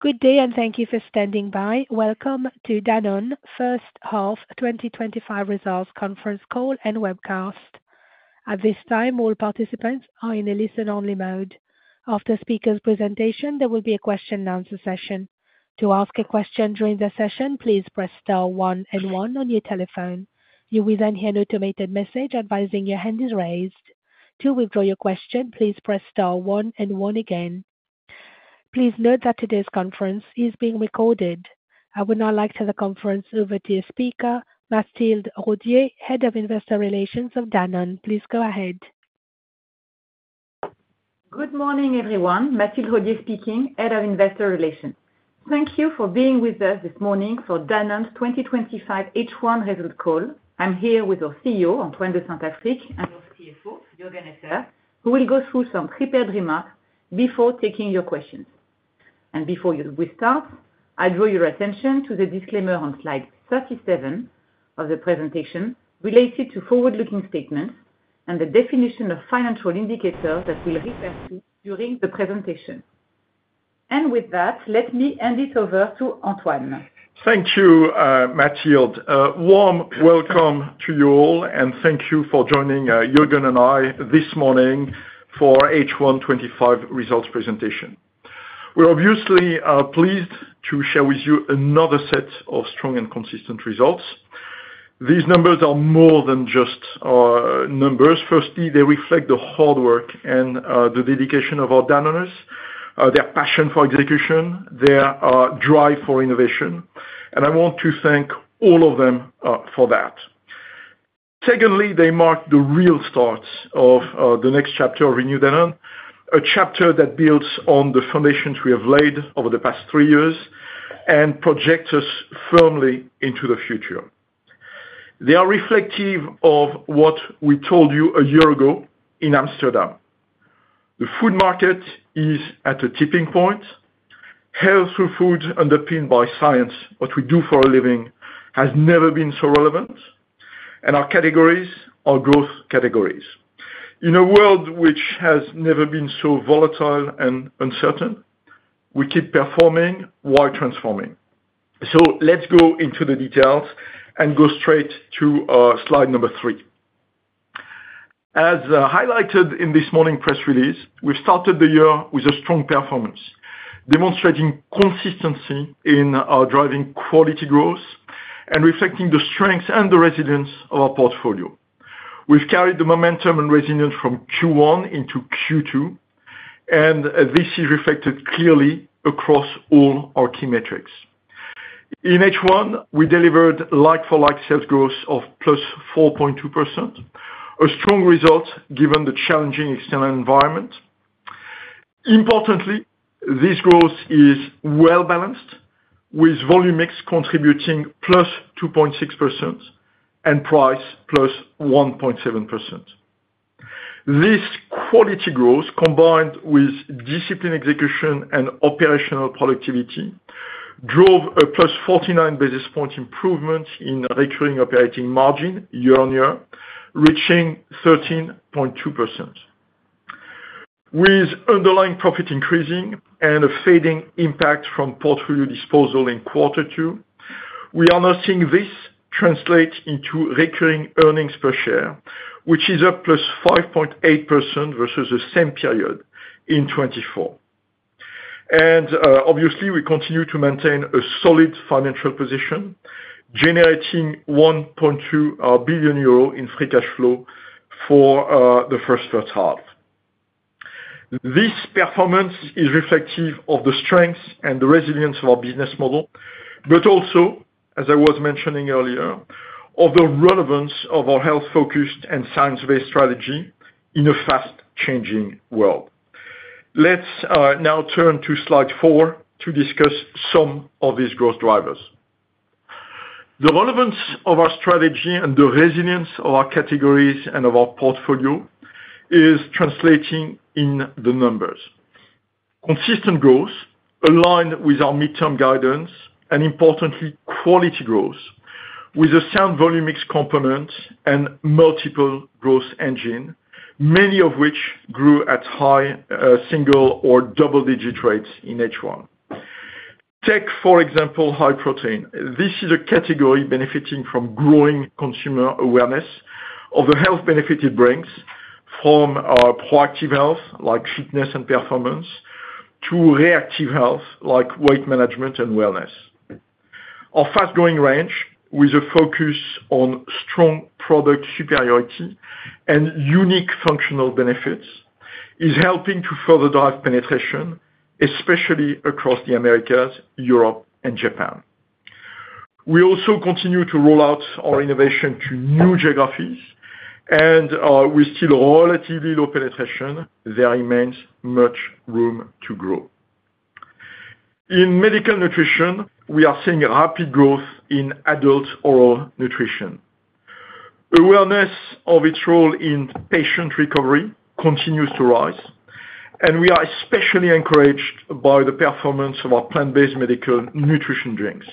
Good day, and thank you for standing by. Welcome to Danone First Half 2025 Results Conference Call and Webcast. At this time, all participants are in a listen-only mode. After speakers' presentations, there will be a question-and-answer session. To ask a question during the session, please press star one and one on your telephone. You will then hear an automated message advising your hand is raised. To withdraw your question, please press star one and one again. Please note that today's conference is being recorded. I would now like to turn the conference over to your speaker, Mathilde Rodié, Head of Investor Relations of Danone. Please go ahead. Good morning, everyone. Mathilde Rodié speaking, Head of Investor Relations. Thank you for being with us this morning for Danone's 2025 H1 Results Call. I'm here with our CEO, Antoine de Saint-Affrique, and our CFO, Juergen Esser, who will go through some prepared remarks before taking your questions. Before we start, I draw your attention to the disclaimer on slide 37 of the presentation related to forward-looking statements and the definition of financial indicators that we'll refer to during the presentation. With that, let me hand it over to Antoine. Thank you, Mathilde. Warm welcome to you all, and thank you for joining Juergen and I this morning for our H1 2025 Results presentation. We're obviously pleased to share with you another set of strong and consistent results. These numbers are more than just numbers. Firstly, they reflect the hard work and the dedication of our Danoners, their passion for execution, their drive for innovation. I want to thank all of them for that. Secondly, they mark the real start of the next chapter of Renew Danone, a chapter that builds on the foundations we have laid over the past three years and projects us firmly into the future. They are reflective of what we told you a year ago in Amsterdam. The food market is at a tipping point. Health through food, underpinned by science, what we do for a living has never been so relevant. Our categories are growth categories. In a world which has never been so volatile and uncertain, we keep performing while transforming. Let's go into the details and go straight to slide number three. As highlighted in this morning's press release, we've started the year with a strong performance, demonstrating consistency in our driving quality growth and reflecting the strengths and the resilience of our portfolio. We've carried the momentum and resilience from Q1 into Q2. This is reflected clearly across all our key metrics. In H1, we delivered like-for-like sales growth of +4.2%. A strong result given the challenging external environment. Importantly, this growth is well-balanced, with volume mix contributing +2.6% and price +1.7%. This quality growth, combined with disciplined execution and operational productivity, drove a +49 basis point improvement in recurring operating margin year-on-year, reaching 13.2%. With underlying profit increasing and a fading impact from portfolio disposal in quarter two, we are now seeing this translate into recurring earnings per share, which is up +5.8% versus the same period in 2024. We continue to maintain a solid financial position, generating 1.2 billion euro in free cash flow for the first half. This performance is reflective of the strengths and the resilience of our business model, but also, as I was mentioning earlier, of the relevance of our health-focused and science-based strategy in a fast-changing world. Let's now turn to slide four to discuss some of these growth drivers. The relevance of our strategy and the resilience of our categories and of our portfolio is translating in the numbers. Consistent growth aligned with our midterm guidance and, importantly, quality growth with a sound volume mix component and multiple growth engines, many of which grew at high single or double-digit rates in H1. Take, for example, high protein. This is a category benefiting from growing consumer awareness of the health benefit it brings from proactive health, like fitness and performance, to reactive health, like weight management and wellness. Our fast-growing range, with a focus on strong product superiority and unique functional benefits, is helping to further drive penetration, especially across the Americas, Europe, and Japan. We also continue to roll out our innovation to new geographies, and with still relatively low penetration, there remains much room to grow. In medical nutrition, we are seeing rapid growth in adult oral nutrition. Awareness of its role in patient recovery continues to rise, and we are especially encouraged by the performance of our plant-based medical nutrition drinks.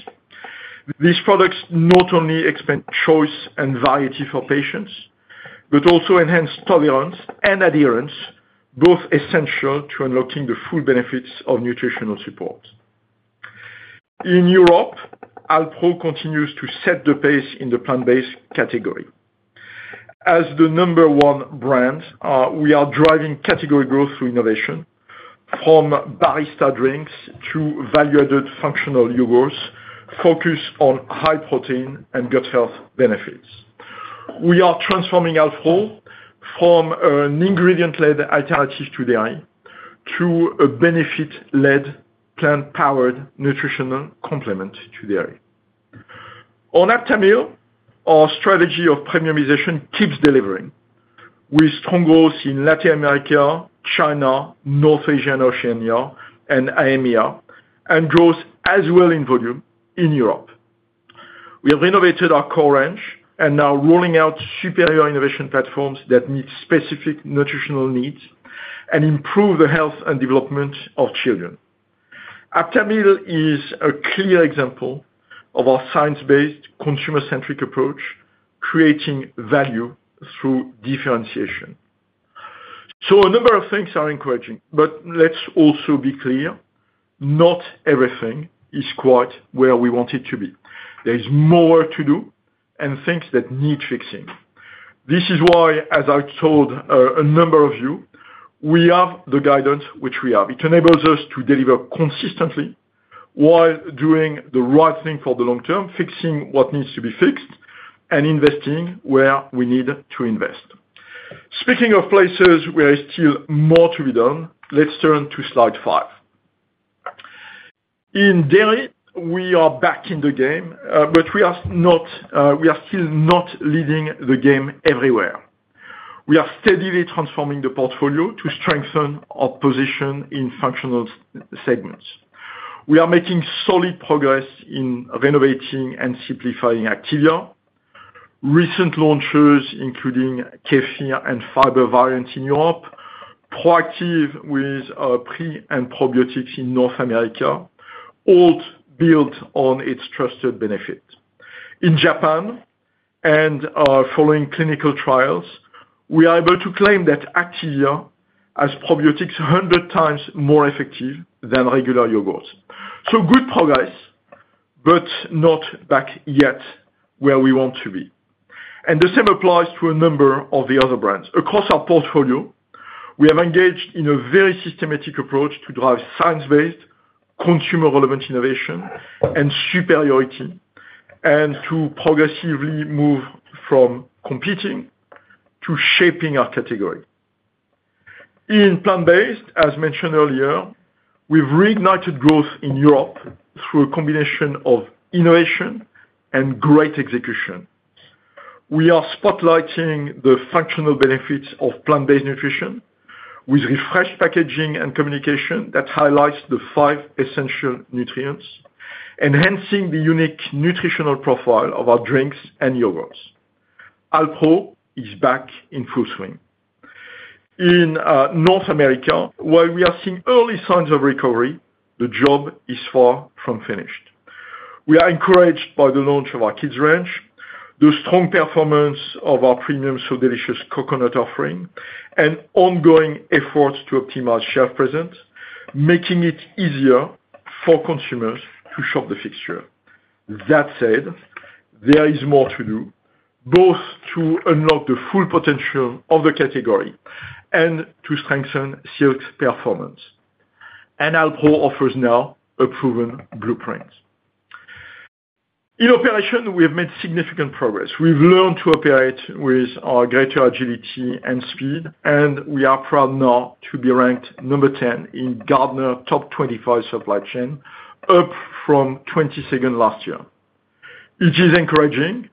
These products not only expand choice and variety for patients, but also enhance tolerance and adherence, both essential to unlocking the full benefits of nutritional support. In Europe, Alpro continues to set the pace in the plant-based category. As the number one brand, we are driving category growth through innovation, from barista drinks to value-added functional yogurts focused on high protein and gut health benefits. We are transforming Alpro from an ingredient-led alternative to dairy to a benefit-led plant-powered nutritional complement to dairy. On Aptamil, our strategy of premiumization keeps delivering, with strong growth in Latin America, China, North Asia, and Oceania, and growth as well in volume in Europe. We have renovated our core range and are rolling out superior innovation platforms that meet specific nutritional needs and improve the health and development of children. Aptamil is a clear example of our science-based, consumer-centric approach, creating value through differentiation. A number of things are encouraging, but let's also be clear: not everything is quite where we want it to be. There is more to do and things that need fixing. This is why, as I've told a number of you, we have the guidance which we have. It enables us to deliver consistently while doing the right thing for the long term, fixing what needs to be fixed, and investing where we need to invest. Speaking of places where there is still more to be done, let's turn to slide five. In dairy, we are back in the game, but we are still not leading the game everywhere. We are steadily transforming the portfolio to strengthen our position in functional segments. We are making solid progress in renovating and simplifying Activia. Recent launches, including Kefir and Fibre variants in Europe, proactive with pre- and probiotics in North America, all built on its trusted benefits. In Japan, and following clinical trials, we are able to claim that Activia has probiotics 100x more effective than regular yogurts. So good progress. Not back yet where we want to be. The same applies to a number of the other brands. Across our portfolio, we have engaged in a very systematic approach to drive science-based, consumer-relevant innovation and superiority, and to progressively move from competing to shaping our category. In plant-based, as mentioned earlier, we've reignited growth in Europe through a combination of innovation and great execution. We are spotlighting the functional benefits of plant-based nutrition with refreshed packaging and communication that highlights the five essential nutrients, enhancing the unique nutritional profile of our drinks and yogurts. Alpro is back in full swing. In North America, while we are seeing early signs of recovery, the job is far from finished. We are encouraged by the launch of our kids' range, the strong performance of our premium So Delicious coconut offering, and ongoing efforts to optimize shelf presence, making it easier for consumers to shop the fixture. That said, there is more to do, both to unlock the full potential of the category and to strengthen Silk's performance. Alpro offers now a proven blueprint. In operation, we have made significant progress. We've learned to operate with greater agility and speed, and we are proud now to be ranked number 10 in Gartner Top 25 supply chain, up from 22nd last year. It is encouraging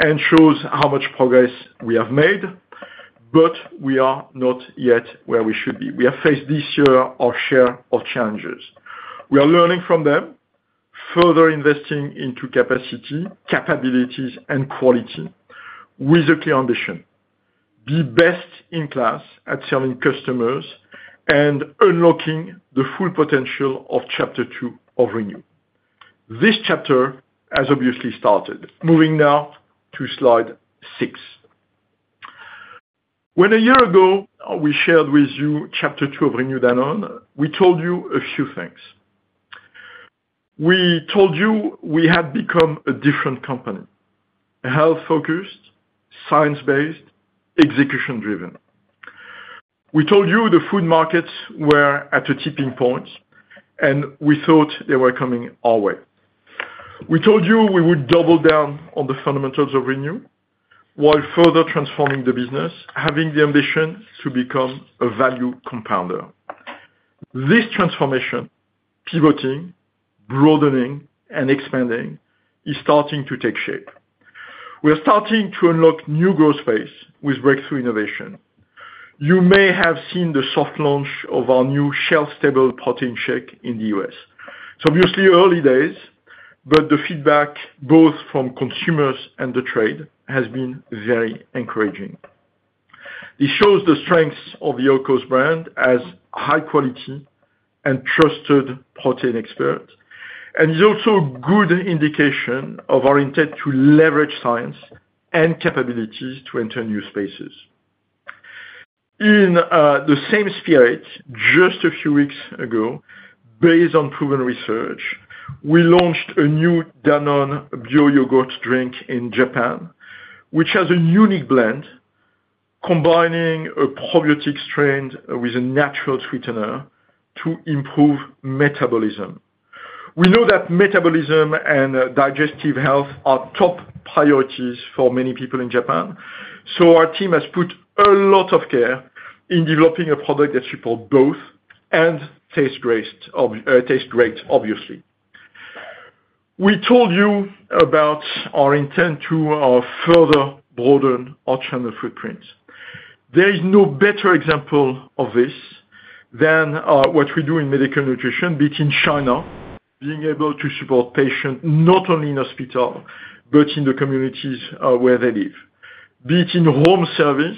and shows how much progress we have made, but we are not yet where we should be. We have faced this year a share of challenges. We are learning from them, further investing into capacity, capabilities, and quality with a clear ambition. Be best in class at serving customers and unlocking the full potential of chapter two of Renew. This chapter has obviously started. Moving now to slide six. When a year ago we shared with you chapter two of Renew Danone, we told you a few things. We told you we had become a different company. Health-focused, science-based, execution-driven. We told you the food markets were at a tipping point, and we thought they were coming our way. We told you we would double down on the fundamentals of Renew while further transforming the business, having the ambition to become a value compounder. This transformation, pivoting, broadening, and expanding, is starting to take shape. We are starting to unlock new growth space with breakthrough innovation. You may have seen the soft launch of our new shelf-stable protein shake in the U.S. It's obviously early days, but the feedback, both from consumers and the trade, has been very encouraging. It shows the strengths of the Oak Coast brand as high-quality and trusted protein experts, and is also a good indication of our intent to leverage science and capabilities to enter new spaces. In the same spirit, just a few weeks ago, based on proven research, we launched a new Danone Bio Yogurt drink in Japan, which has a unique blend. Combining a probiotic strain with a natural sweetener to improve metabolism. We know that metabolism and digestive health are top priorities for many people in Japan, so our team has put a lot of care in developing a product that supports both and tastes great, obviously. We told you about our intent to further broaden our channel footprint. There is no better example of this than what we do in medical nutrition, be it in China, being able to support patients not only in hospital but in the communities where they live, be it in home service,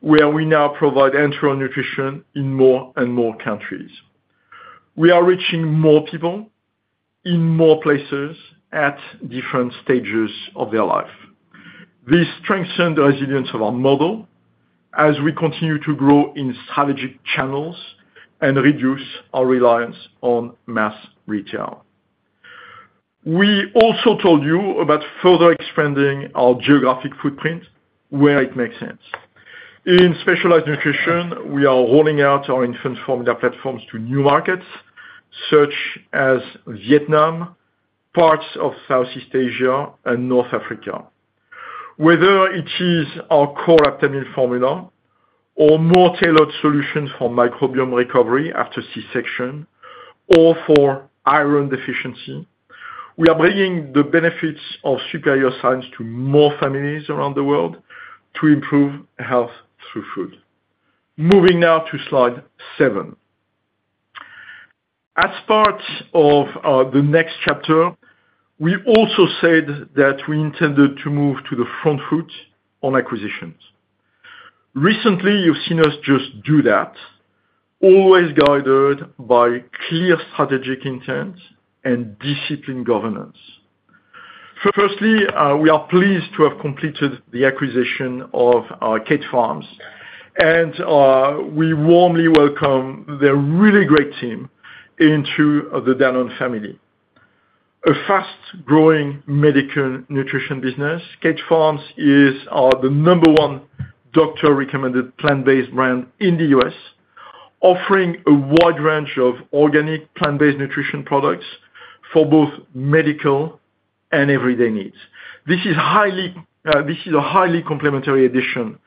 where we now provide enteral nutrition in more and more countries. We are reaching more people. In more places at different stages of their life. This strengthens the resilience of our model as we continue to grow in strategic channels and reduce our reliance on mass retail. We also told you about further expanding our geographic footprint where it makes sense. In Specialized Nutrition, we are rolling out our infant formula platforms to new markets such as Vietnam. Parts of Southeast Asia, and North Africa. Whether it is our core Aptamil formula or more tailored solutions for microbiome recovery after C-section or for iron deficiency, we are bringing the benefits of superior science to more families around the world to improve health through food. Moving now to slide seven. As part of the next chapter, we also said that we intended to move to the front foot on acquisitions. Recently, you have seen us just do that. Always guided by clear strategic intent and disciplined governance. Firstly, we are pleased to have completed the acquisition of Kate Farms, and we warmly welcome their really great team into the Danone family. A fast-growing medical nutrition business, Kate Farms is the number one doctor-recommended plant-based brand in the U.S., offering a wide range of organic plant-based nutrition products for both medical and everyday needs. This is a highly complementary addition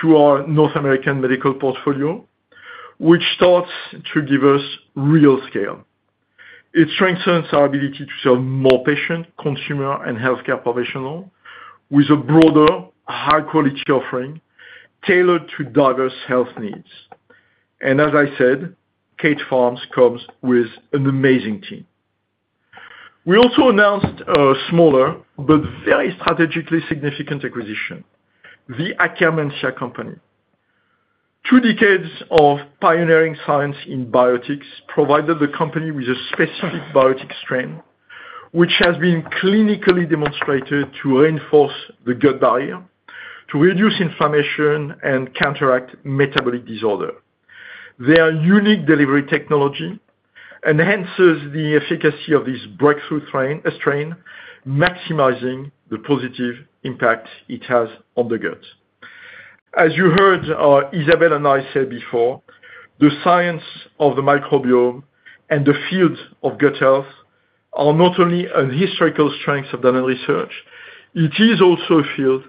to our North American medical portfolio, which starts to give us real scale. It strengthens our ability to serve more patients, consumers, and healthcare professionals with a broader, high-quality offering tailored to diverse health needs. As I said, Kate Farms comes with an amazing team. We also announced a smaller but very strategically significant acquisition, the Akkermansia Company. Two decades of pioneering science in biotics provided the company with a specific biotic strain, which has been clinically demonstrated to reinforce the gut barrier, to reduce inflammation, and counteract metabolic disorder. Their unique delivery technology enhances the efficacy of this breakthrough strain, maximizing the positive impact it has on the gut. As you heard Isabelle and I say before, the science of the microbiome and the field of gut health are not only a historical strength of Danone Research, it is also a field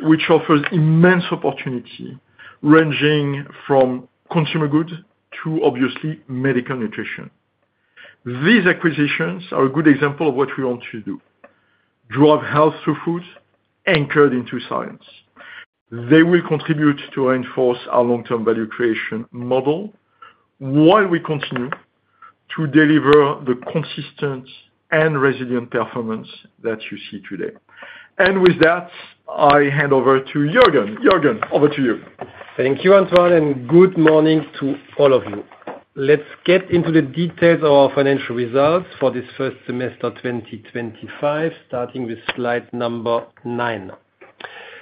which offers immense opportunity, ranging from consumer goods to obviously medical nutrition. These acquisitions are a good example of what we want to do: drive health through food anchored into science. They will contribute to reinforce our long-term value creation model. While we continue to deliver the consistent and resilient performance that you see today. With that, I hand over to Juergen. Juergen, over to you. Thank you, Antoine, and good morning to all of you. Let's get into the details of our financial results for this first semester, 2025, starting with slide number nine.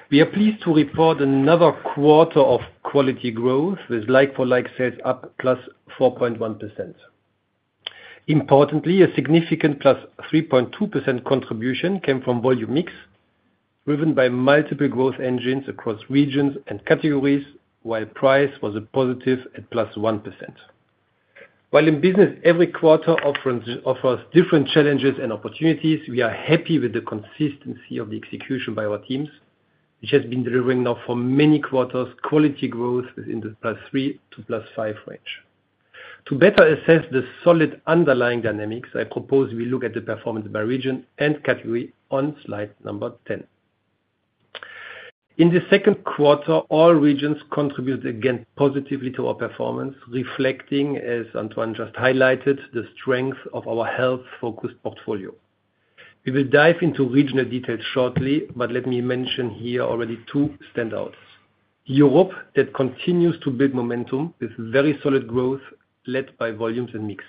We are pleased to report another quarter of quality growth with like-for-like sales up +4.1%. Importantly, a significant +3.2% contribution came from volume mix, driven by multiple growth engines across regions and categories, while price was a positive at +1%. While in business, every quarter offers different challenges and opportunities, we are happy with the consistency of the execution by our teams, which has been delivering now for many quarters quality growth within the +3%-+5% range. To better assess the solid underlying dynamics, I propose we look at the performance by region and category on slide number 10. In the second quarter, all regions contributed again positively to our performance, reflecting, as Antoine just highlighted, the strength of our health-focused portfolio. We will dive into regional details shortly, but let me mention here already two standouts: Europe, that continues to build momentum with very solid growth led by volumes and mix,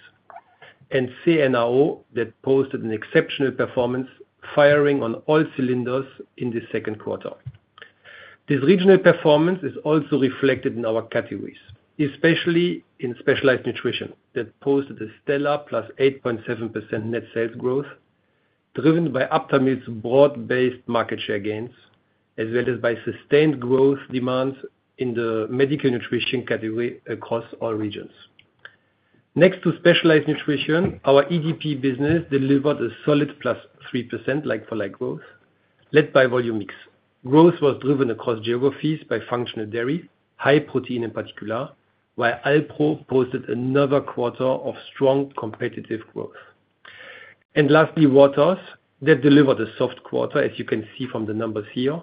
and CNO, that posted an exceptional performance, firing on all cylinders in the second quarter. This regional performance is also reflected in our categories, especially in Specialized Nutrition, that posted a stellar +8.7% net sales growth, driven by Aptamil's broad-based market share gains, as well as by sustained growth demands in the medical nutrition category across all regions. Next to Specialized Nutrition, our EDP business delivered a solid +3% like-for-like growth, led by volume mix. Growth was driven across geographies by functional dairy, high protein in particular, while Alpro posted another quarter of strong competitive growth. Lastly, waters, that delivered a soft quarter, as you can see from the numbers here.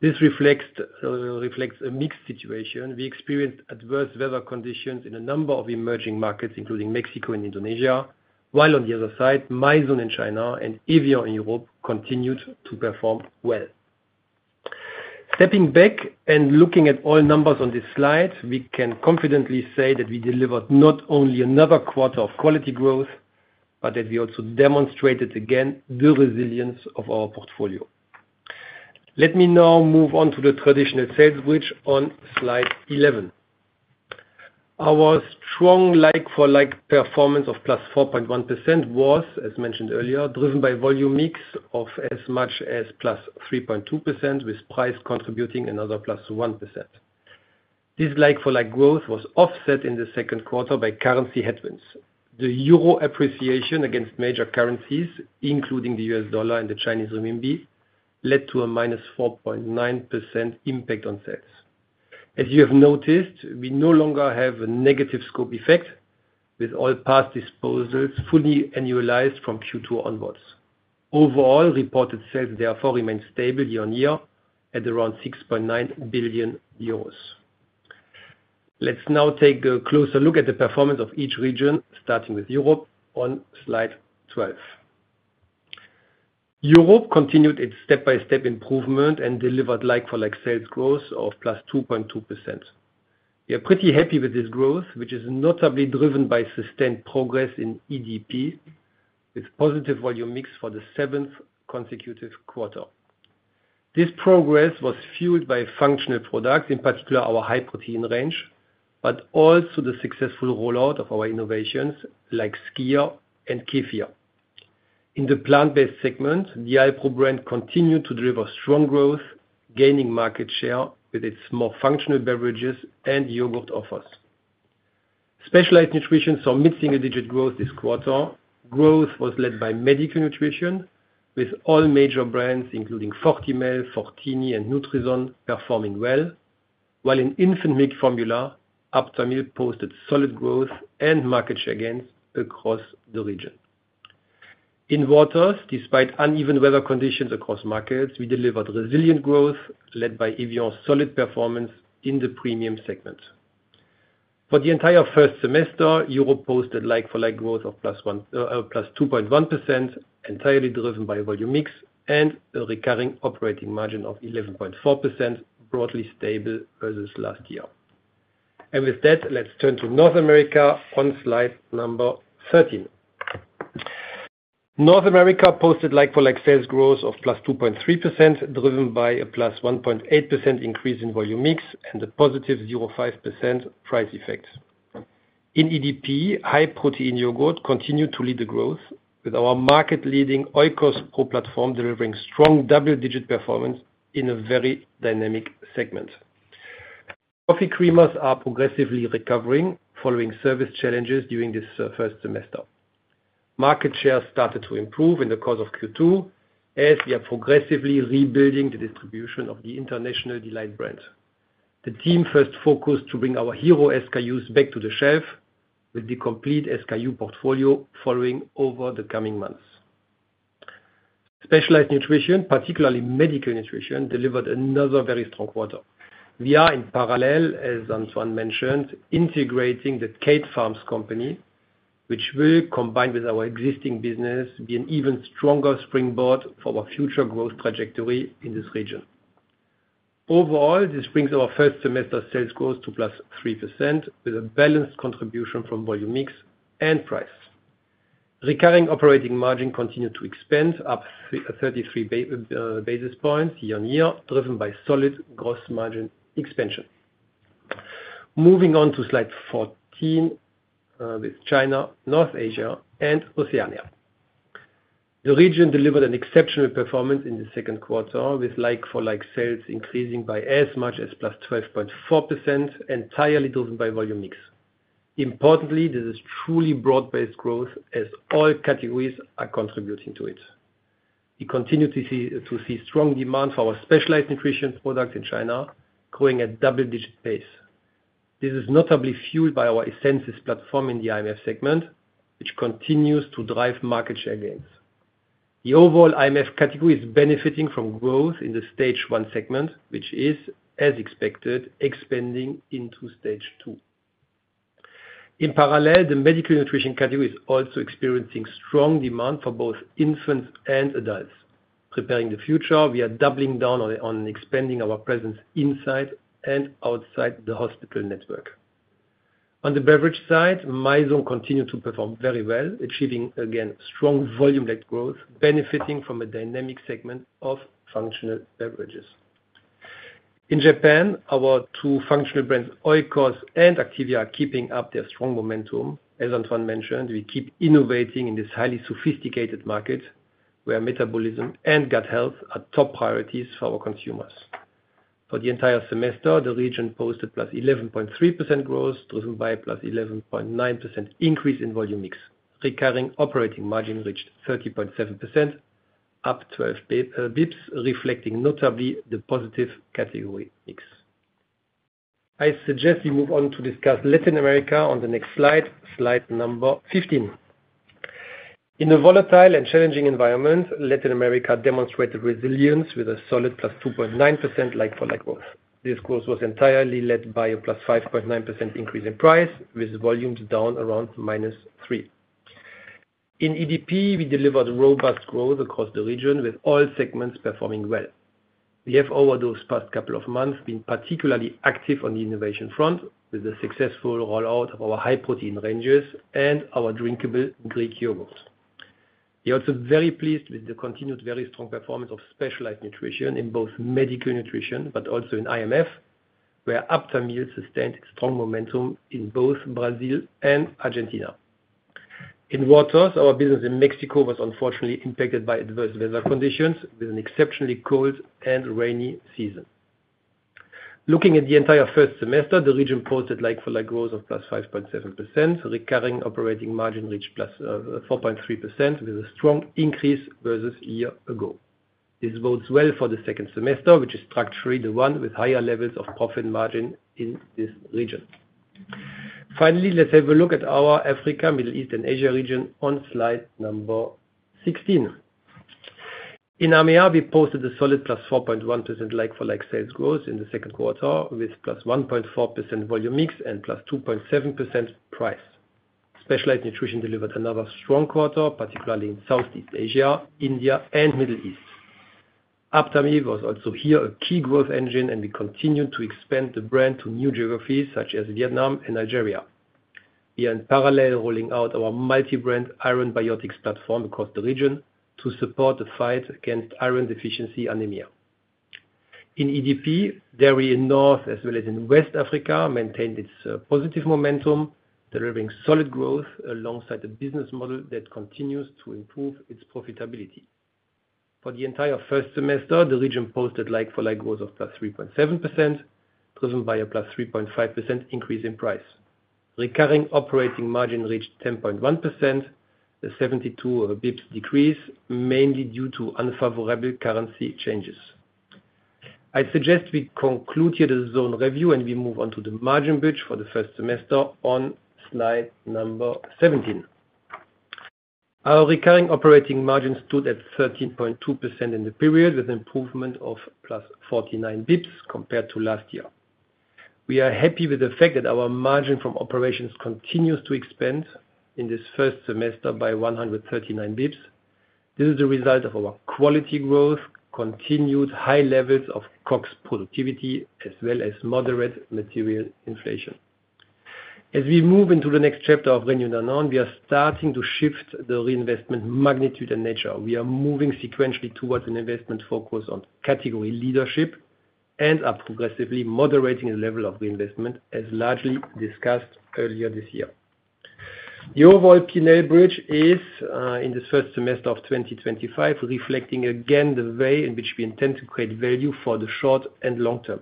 This reflects a mixed situation. We experienced adverse weather conditions in a number of emerging markets, including Mexico and Indonesia, while on the other side, Maison in China and Evian in Europe continued to perform well. Stepping back and looking at all numbers on this slide, we can confidently say that we delivered not only another quarter of quality growth, but that we also demonstrated again the resilience of our portfolio. Let me now move on to the traditional sales bridge on slide 11. Our strong like-for-like performance of +4.1% was, as mentioned earlier, driven by volume mix of as much as +3.2%, with price contributing another +1%. This like-for-like growth was offset in the second quarter by currency headwinds. The euro appreciation against major currencies, including the U.S. dollar and the Chinese renminbi, led to a -4.9% impact on sales. As you have noticed, we no longer have a negative scope effect, with all past disposals fully annualized from Q2 onwards. Overall, reported sales, therefore, remained stable year on year at around 6.9 billion euros. Let's now take a closer look at the performance of each region, starting with Europe on slide 12. Europe continued its step-by-step improvement and delivered like-for-like sales growth of +2.2%. We are pretty happy with this growth, which is notably driven by sustained progress in EDP, with positive volume mix for the seventh consecutive quarter. This progress was fueled by functional products, in particular our high protein range, but also the successful rollout of our innovations like Skyr and Kefir. In the plant-based segment, the Alpro brand continued to deliver strong growth, gaining market share with its more functional beverages and yogurt offers. Specialized Nutrition saw mid-single-digit growth this quarter. Growth was led by medical nutrition, with all major brands, including Fortimel, Fortini, and Nutrizon, performing well, while in infant milk formula, Aptamil posted solid growth and market share gains across the region. In waters, despite uneven weather conditions across markets, we delivered resilient growth, led by Evian's solid performance in the premium segment. For the entire first semester, Europe posted like-for-like growth of +2.1%, entirely driven by volume mix, and a recurring operating margin of 11.4%, broadly stable versus last year. With that, let's turn to North America on slide number 13. North America posted like-for-like sales growth of +2.3%, driven by a +1.8% increase in volume mix and a positive 0.5% price effect. In EDP, high protein yogurt continued to lead the growth, with our market-leading Oikos Pro platform delivering strong double-digit performance in a very dynamic segment. Coffee creamers are progressively recovering following service challenges during this first semester. Market share started to improve in the course of Q2, as we are progressively rebuilding the distribution of the International Delight brand. The team first focused on bringing our Hero SKUs back to the shelf, with the complete SKU portfolio following over the coming months. Specialized Nutrition, particularly medical nutrition, delivered another very strong quarter. We are, in parallel, as Antoine mentioned, integrating the Kate Farms company, which will, combined with our existing business, be an even stronger springboard for our future growth trajectory in this region. Overall, this brings our first semester sales growth to +3%, with a balanced contribution from volume mix and price. Recurring operating margin continued to expand, up 33 basis points year-on-year, driven by solid gross margin expansion. Moving on to slide 14. With China, North Asia, and Oceania. The region delivered an exceptional performance in the second quarter, with like-for-like sales increasing by as much as +12.4%, entirely driven by volume mix. Importantly, this is truly broad-based growth, as all categories are contributing to it. We continue to see strong demand for our Specialized Nutrition products in China, growing at double-digit pace. This is notably fueled by our essences platform in the IMF segment, which continues to drive market share gains. The overall IMF category is benefiting from growth in the stage one segment, which is, as expected, expanding into stage two. In parallel, the medical nutrition category is also experiencing strong demand for both infants and adults. Preparing the future, we are doubling down on expanding our presence inside and outside the hospital network. On the beverage side, Maison continued to perform very well, achieving again strong volume-led growth, benefiting from a dynamic segment of functional beverages. In Japan, our two functional brands, Oikos and Activia, are keeping up their strong momentum. As Antoine mentioned, we keep innovating in this highly sophisticated market, where metabolism and gut health are top priorities for our consumers. For the entire semester, the region posted +11.3% growth, driven by a +11.9% increase in volume mix. Recurring operating margin reached 30.7%. Up 12 bps, reflecting notably the positive category mix. I suggest we move on to discuss Latin America on the next slide, slide number 15. In a volatile and challenging environment, Latin America demonstrated resilience with a solid +2.9% like-for-like growth. This growth was entirely led by a +5.9% increase in price, with volumes down around -3. In EDP, we delivered robust growth across the region, with all segments performing well. We have, over those past couple of months, been particularly active on the innovation front, with the successful rollout of our high protein ranges and our drinkable Greek yogurt. We are also very pleased with the continued very strong performance of Specialized Nutrition in both medical nutrition but also in IMF, where Aptamil sustained strong momentum in both Brazil and Argentina. In waters, our business in Mexico was unfortunately impacted by adverse weather conditions, with an exceptionally cold and rainy season. Looking at the entire first semester, the region posted like-for-like growth of +5.7%, recurring operating margin reached +4.3%, with a strong increase versus a year ago. This bodes well for the second semester, which is structurally the one with higher levels of profit margin in this region. Finally, let's have a look at our Africa, Middle East, and Asia region on slide number 16. In AMEA, we posted a solid +4.1% like-for-like sales growth in the second quarter, with +1.4% volume mix and +2.7% price. Specialized Nutrition delivered another strong quarter, particularly in Southeast Asia, India, and Middle East. Aptamil was also here a key growth engine, and we continued to expand the brand to new geographies such as Vietnam and Nigeria. We are in parallel rolling out our multi-brand iron biotics platform across the region to support the fight against iron deficiency anemia. In EDP, dairy in North as well as in West Africa maintained its positive momentum, delivering solid growth alongside a business model that continues to improve its profitability. For the entire first semester, the region posted like-for-like growth of +3.7%, driven by a +3.5% increase in price. Recurring operating margin reached 10.1%, a 72 bps decrease, mainly due to unfavorable currency changes. I suggest we conclude here the zone review and we move on to the margin bridge for the first semester on slide number 17. Our recurring operating margin stood at 13.2% in the period, with an improvement of +49 bps compared to last year. We are happy with the fact that our margin from operations continues to expand in this first semester by 139 bps. This is the result of our quality growth, continued high levels of COX productivity, as well as moderate material inflation. As we move into the next chapter of Renew Danone, we are starting to shift the reinvestment magnitude and nature. We are moving sequentially towards an investment focus on category leadership and are progressively moderating the level of reinvestment, as largely discussed earlier this year. The overall P&L bridge is, in this first semester of 2025, reflecting again the way in which we intend to create value for the short and long term.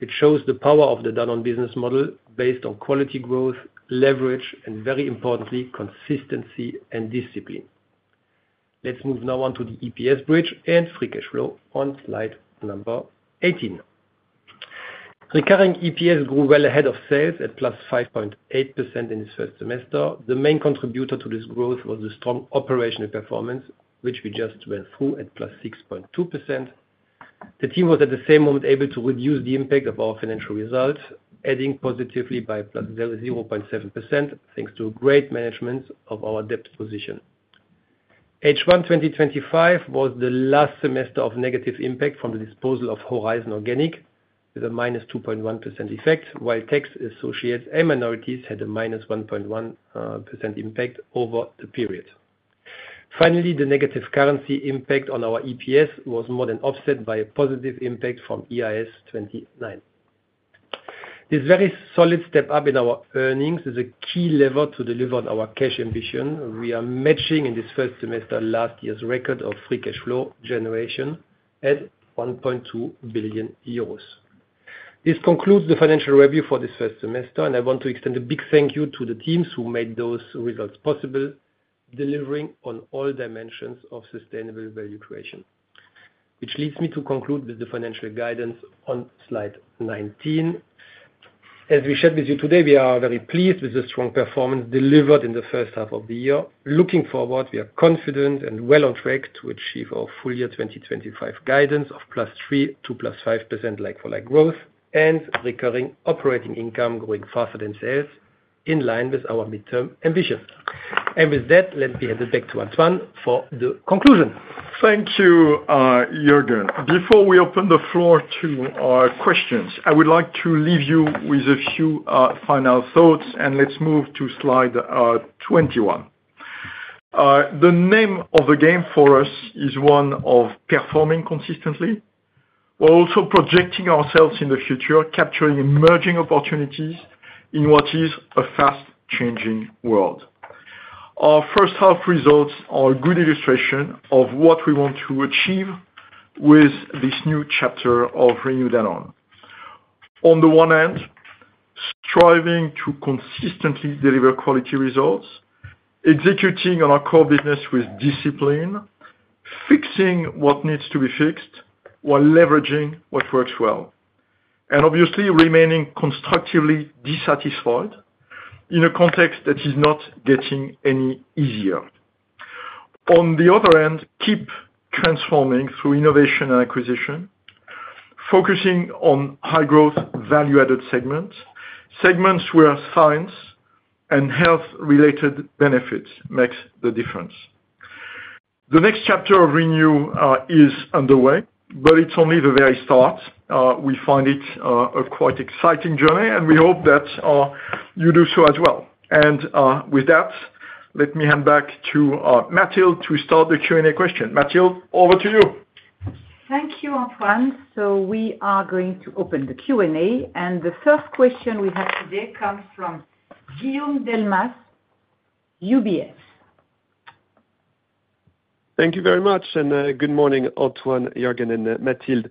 It shows the power of the Danone business model based on quality growth, leverage, and, very importantly, consistency and discipline. Let's move now on to the EPS bridge and free cash flow on slide number 18. Recurring EPS grew well ahead of sales at +5.8% in this first semester. The main contributor to this growth was the strong operational performance, which we just went through at +6.2%. The team was, at the same moment, able to reduce the impact of our financial results, adding positively by +0.7%, thanks to great management of our debt position. H1 2025 was the last semester of negative impact from the disposal of Horizon Organic, with a -2.1% effect, while tax associates and minorities had a -1.1% impact over the period. Finally, the negative currency impact on our EPS was more than offset by a positive impact from EIS 29. This very solid step up in our earnings is a key lever to deliver on our cash ambition. We are matching, in this first semester, last year's record of free cash flow generation at 1.2 billion euros. This concludes the financial review for this first semester, and I want to extend a big thank you to the teams who made those results possible, delivering on all dimensions of sustainable value creation. Which leads me to conclude with the financial guidance on slide 19. As we shared with you today, we are very pleased with the strong performance delivered in the first half of the year. Looking forward, we are confident and well on track to achieve our full year 2025 guidance of +3%-+5% like-for-like growth and recurring operating income growing faster than sales, in line with our midterm ambition. With that, let me hand it back to Antoine for the conclusion. Thank you, Juergen. Before we open the floor to our questions, I would like to leave you with a few final thoughts, and let's move to slide 21. The name of the game for us is one of performing consistently while also projecting ourselves in the future, capturing emerging opportunities in what is a fast-changing world. Our first half results are a good illustration of what we want to achieve with this new chapter of Renew Danone. On the one hand, striving to consistently deliver quality results, executing on our core business with discipline, fixing what needs to be fixed while leveraging what works well, and obviously remaining constructively dissatisfied in a context that is not getting any easier. On the other end, keep transforming through innovation and acquisition, focusing on high-growth value-added segments, segments where science and health-related benefits make the difference. The next chapter of Renew is underway, but it's only the very start. We find it a quite exciting journey, and we hope that you do so as well. With that, let me hand back to Mathilde to start the Q&A question. Mathilde, over to you. Thank you, Antoine. We are going to open the Q&A, and the first question we have today comes from Guillaume Delmas, UBS. Thank you very much, and good morning, Antoine, Juergen, and Mathilde.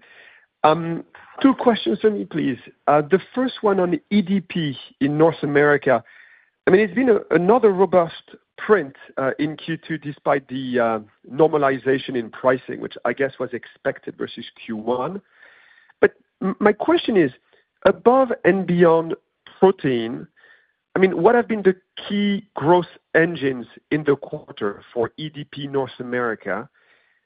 Two questions for me, please. The first one on EDP in North America. I mean, it's been another robust print in Q2 despite the normalization in pricing, which I guess was expected versus Q1. My question is, above and beyond protein, what have been the key growth engines in the quarter for EDP North America?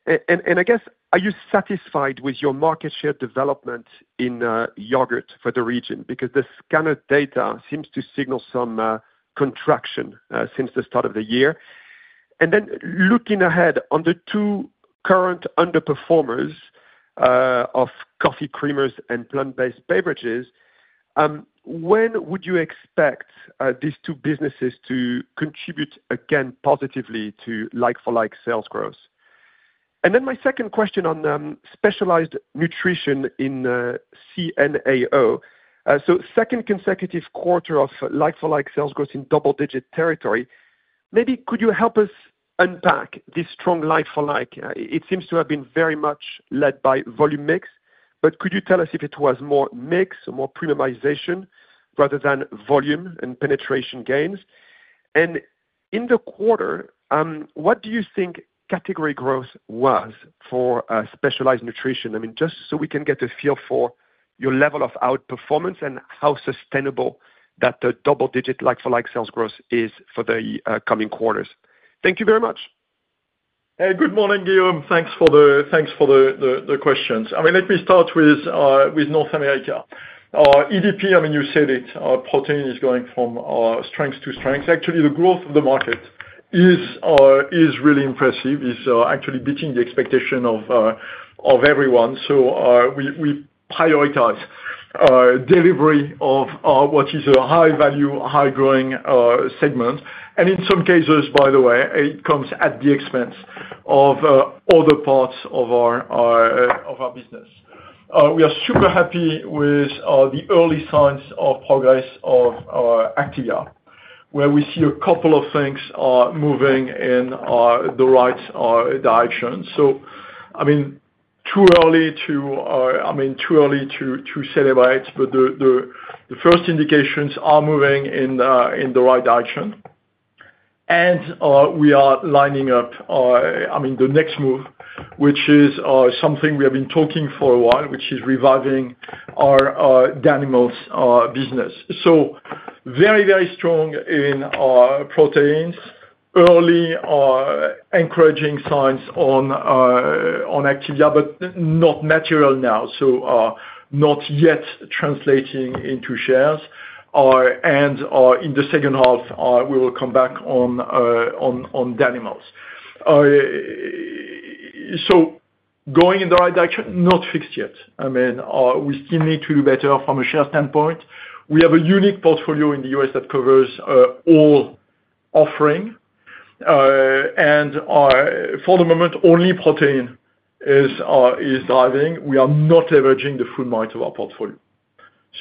I guess, are you satisfied with your market share development in yogurt for the region? Because the scanner data seems to signal some contraction since the start of the year. Looking ahead on the two current underperformers of coffee creamers and plant-based beverages, when would you expect these two businesses to contribute again positively to like-for-like sales growth? My second question on Specialized Nutrition in CNAO. Second consecutive quarter of like-for-like sales growth in double-digit territory. Maybe could you help us unpack this strong like-for-like? It seems to have been very much led by volume mix, but could you tell us if it was more mix or more premiumization rather than volume and penetration gains? In the quarter, what do you think category growth was for Specialized Nutrition? I mean, just so we can get a feel for your level of outperformance and how sustainable that double-digit like-for-like sales growth is for the coming quarters. Thank you very much. Good morning, Guillaume. Thanks for the questions. Let me start with North America. EDP, I mean, you said it, protein is going from strength to strength. Actually, the growth of the market is really impressive, is actually beating the expectation of everyone. We prioritize delivery of what is a high-value, high-growing segment. In some cases, by the way, it comes at the expense of other parts of our business. We are super happy with the early signs of progress of Activia, where we see a couple of things moving in the right direction. I mean, too early to celebrate it, but the first indications are moving in the right direction. We are lining up, I mean, the next move, which is something we have been talking for a while, which is reviving our Danimals business. Very, very strong in proteins, early encouraging signs on Activia, but not material now, so not yet translating into shares. In the second half, we will come back on Danimals. Going in the right direction, not fixed yet. I mean, we still need to do better from a share standpoint. We have a unique portfolio in the U.S. that covers all offering. For the moment, only protein is driving. We are not leveraging the full might of our portfolio.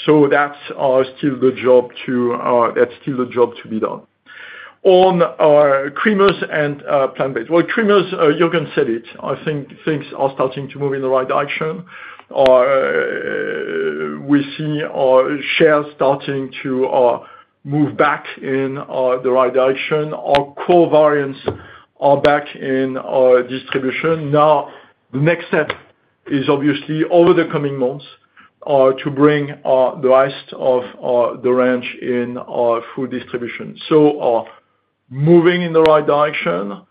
That is still the job to be done. On creamers and plant-based. Creamers, Juergen said it, I think things are starting to move in the right direction. We see shares starting to move back in the right direction. Our core variants are back in distribution. The next step is obviously over the coming months to bring the rest of the range in food distribution. Moving in the right direction.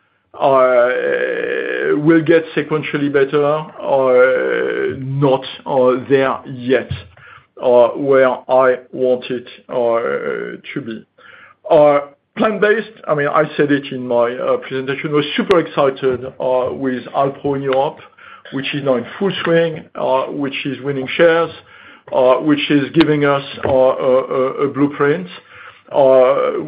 We will get sequentially better. Not there yet where I want it to be. Plant-based, I mean, I said it in my presentation, we are super excited with Alpro in Europe, which is now in full swing, which is winning shares, which is giving us a blueprint.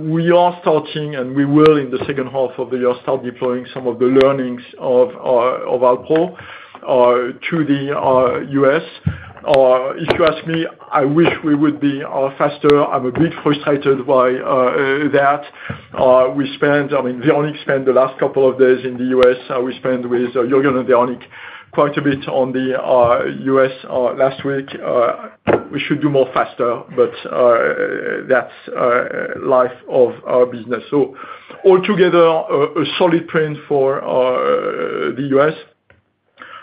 We are starting, and we will, in the second half of the year, start deploying some of the learnings of Alpro to the U.S. If you ask me, I wish we would be faster. I am a bit frustrated by that. We spent, I mean, Véronique spent the last couple of days in the U.S. We spent with Juergen and Véronique quite a bit on the U.S. last week. We should do more faster, but that is life of our business. Altogether, a solid print for the U.S.,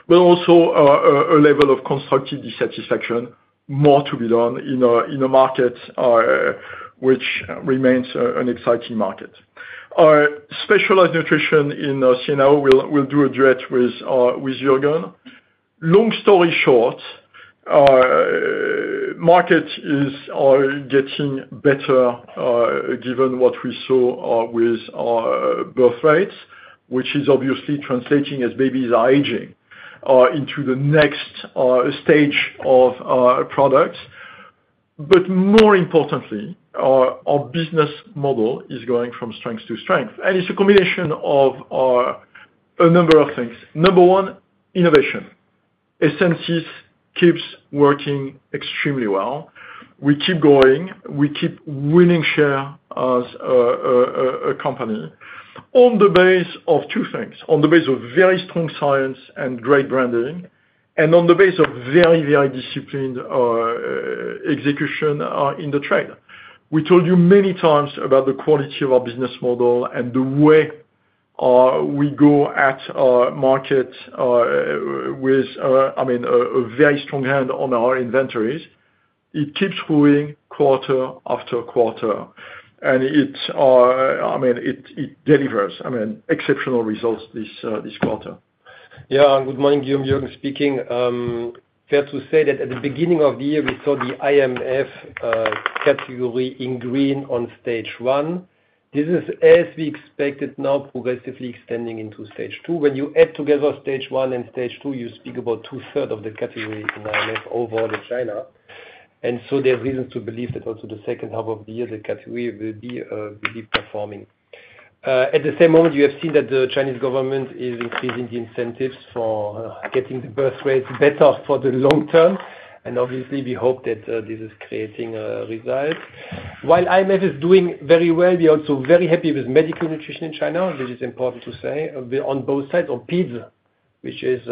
but also a level of constructive dissatisfaction, more to be done in a market which remains an exciting market. Specialized Nutrition in CNAO, we will do a duet with Juergen. Long story short. Market is getting better. Given what we saw with birth rates, which is obviously translating as babies are aging into the next stage of products. More importantly, our business model is going from strength to strength. It is a combination of a number of things. Number one, innovation. Essentis keeps working extremely well. We keep growing. We keep winning share as a company on the base of two things, on the base of very strong science and great branding, and on the base of very, very disciplined execution in the trade. We told you many times about the quality of our business model and the way we go at market with, I mean, a very strong hand on our inventories. It keeps growing quarter after quarter. I mean, it delivers, I mean, exceptional results this quarter. Yeah. Good morning, Guillaume, Jürgen speaking. Fair to say that at the beginning of the year, we saw the IMF category in green on stage one. This is, as we expected, now progressively extending into stage two. When you add together stage one and stage two, you speak about two-thirds of the category in IMF overall in China. There is reason to believe that also the second half of the year, the category will be performing. At the same moment, you have seen that the Chinese government is increasing the incentives for getting the birth rates better for the long term. Obviously, we hope that this is creating results. While IMF is doing very well, we are also very happy with medical nutrition in China, which is important to say, on both sides. On PIDS, which is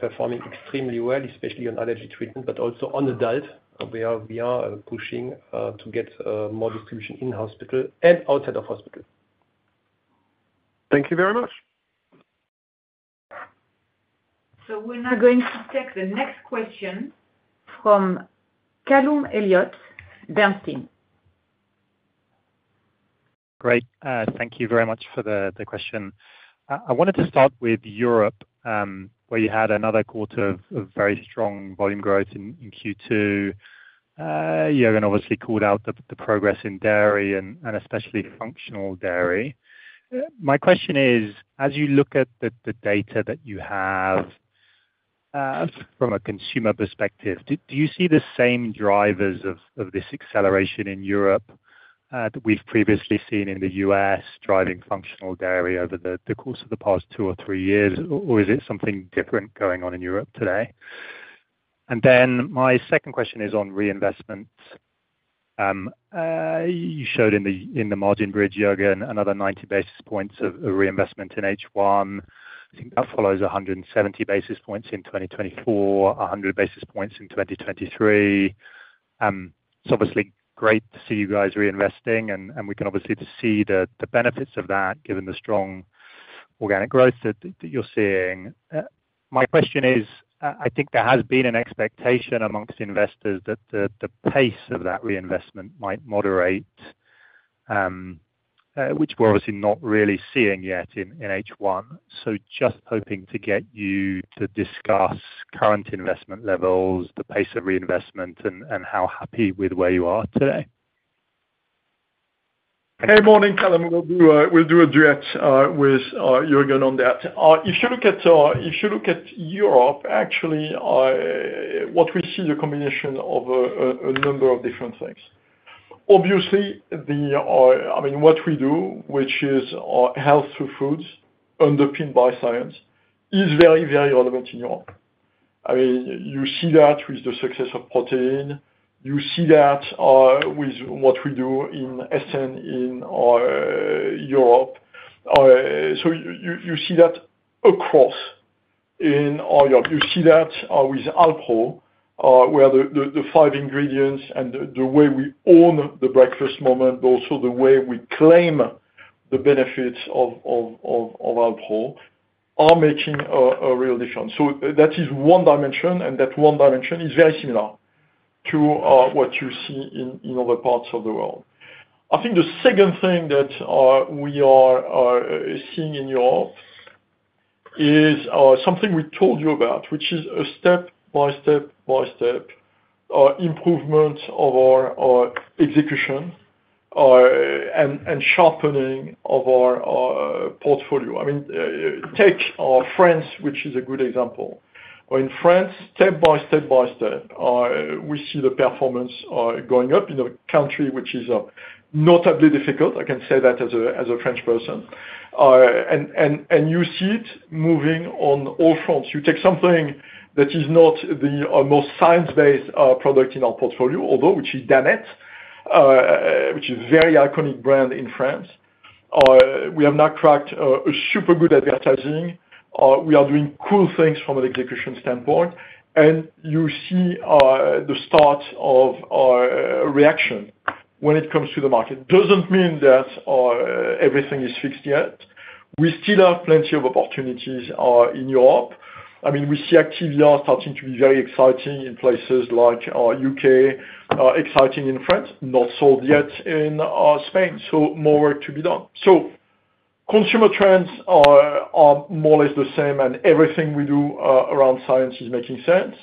performing extremely well, especially on allergy treatment, but also on adults, we are pushing to get more distribution in hospital and outside of hospital. Thank you very much. We are now going to take the next question from Callum Elliott Bernstein. Great. Thank you very much for the question. I wanted to start with Europe, where you had another quarter of very strong volume growth in Q2. Jürgen obviously called out the progress in dairy and especially functional dairy. My question is, as you look at the data that you have from a consumer perspective, do you see the same drivers of this acceleration in Europe that we have previously seen in the U.S. driving functional dairy over the course of the past two or three years, or is it something different going on in Europe today? My second question is on reinvestment. You showed in the margin bridge, Jürgen, another 90 basis points of reinvestment in H1. I think that follows 170 basis points in 2024, 100 basis points in 2023. It's obviously great to see you guys reinvesting, and we can obviously see the benefits of that, given the strong organic growth that you're seeing. My question is, I think there has been an expectation amongst investors that the pace of that reinvestment might moderate, which we're obviously not really seeing yet in H1. Just hoping to get you to discuss current investment levels, the pace of reinvestment, and how happy with where you are today. Hey, morning, Callum. We'll do a duet with Juergen on that. If you look at Europe, actually, what we see is a combination of a number of different things. Obviously, I mean, what we do, which is health through foods, underpinned by science, is very, very relevant in Europe. I mean, you see that with the success of protein. You see that with what we do in Essent in Europe. You see that across in Europe. You see that with Alpro, where the five ingredients and the way we own the breakfast moment, but also the way we claim the benefits of Alpro, are making a real difference. That is one dimension, and that one dimension is very similar to what you see in other parts of the world. I think the second thing that we are seeing in Europe is something we told you about, which is a step-by-step improvement of our execution and sharpening of our portfolio. I mean, take France, which is a good example. In France, step-by-step, we see the performance going up in a country which is notably difficult. I can say that as a French person. You see it moving on all fronts. You take something that is not the most science-based product in our portfolio, although which is Danette, which is a very iconic brand in France. We have not cracked super good advertising. We are doing cool things from an execution standpoint. You see the start of reaction when it comes to the market. Doesn't mean that everything is fixed yet. We still have plenty of opportunities in Europe. I mean, we see Activia starting to be very exciting in places like U.K., exciting in France, not sold yet in Spain. More work to be done. Consumer trends are more or less the same, and everything we do around science is making sense.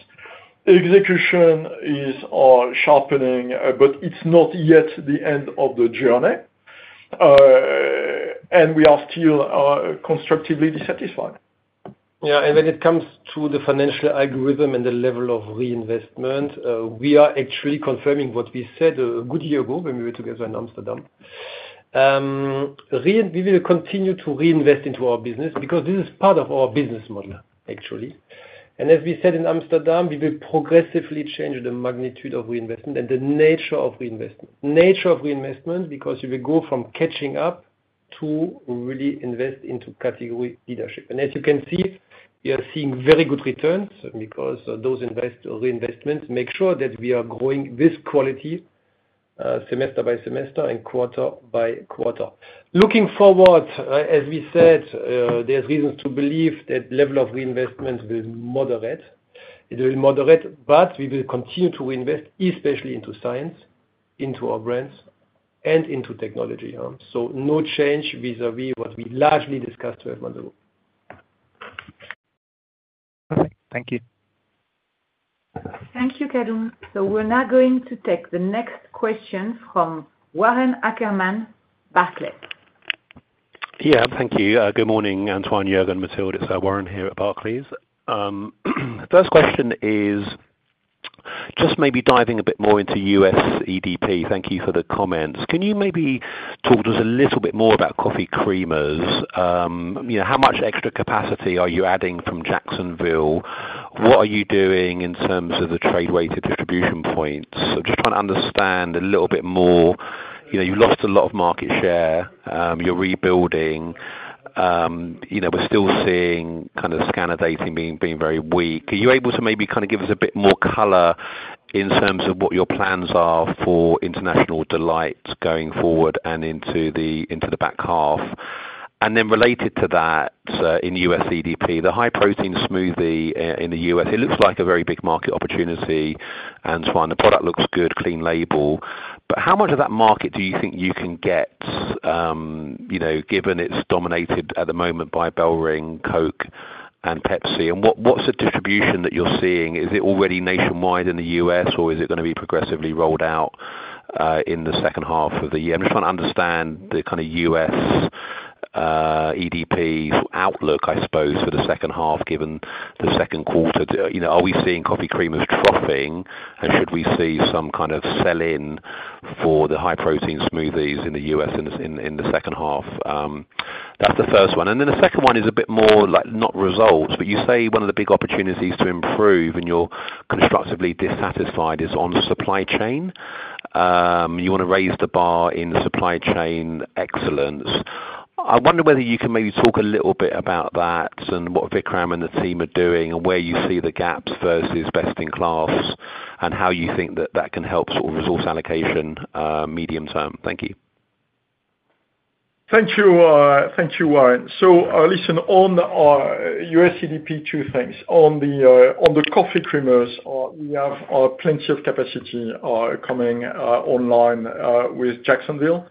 Execution is sharpening, but it's not yet the end of the journey. We are still constructively dissatisfied. Yeah. When it comes to the financial algorithm and the level of reinvestment, we are actually confirming what we said a good year ago when we were together in Amsterdam. We will continue to reinvest into our business because this is part of our business model, actually. As we said in Amsterdam, we will progressively change the magnitude of reinvestment and the nature of reinvestment. Nature of reinvestment, because we will go from catching up to really investing into category leadership. As you can see, we are seeing very good returns because those reinvestments make sure that we are growing this quality, semester by semester and quarter by quarter. Looking forward, as we said, there are reasons to believe that level of reinvestment will moderate. It will moderate, but we will continue to reinvest, especially into science, into our brands, and into technology. No change vis-à-vis what we largely discussed 12 months ago. Perfect. Thank you. Thank you, Callum. We are now going to take the next question from Warren Ackerman, Barclays. Yeah. Thank you. Good morning, Antoine, Juergen, Mathilde. It's Warren here at Barclays. First question is, just maybe diving a bit more into U.S. EDP. Thank you for the comments. Can you maybe talk to us a little bit more about coffee creamers? How much extra capacity are you adding from Jacksonville? What are you doing in terms of the trade-weighted distribution points? I'm just trying to understand a little bit more. You lost a lot of market share. You're rebuilding. We're still seeing kind of scanner data being very weak. Are you able to maybe kind of give us a bit more color in terms of what your plans are for International Delight going forward and into the back half? Then related to that, in U.S. EDP, the high-protein smoothie in the U.S., it looks like a very big market opportunity, Antoine. The product looks good, clean label. But how much of that market do you think you can get, given it's dominated at the moment by Bell Ring, Coke, and Pepsi? What's the distribution that you're seeing? Is it already nationwide in the U.S., or is it going to be progressively rolled out in the second half of the year? I'm just trying to understand the kind of U.S. EDP outlook, I suppose, for the second half, given the second quarter. Are we seeing coffee creamers troughing, and should we see some kind of sell-in for the high-protein smoothies in the U.S. in the second half? That's the first one. The second one is a bit more not results, but you say one of the big opportunities to improve and you're constructively dissatisfied is on supply chain. You want to raise the bar in supply chain excellence. I wonder whether you can maybe talk a little bit about that and what Vikram and the team are doing and where you see the gaps versus best in class and how you think that that can help sort of resource allocation medium term. Thank you. Thank you, Warren. Listen, on U.S. EDP, two things. On the coffee creamers, we have plenty of capacity coming online with Jacksonville.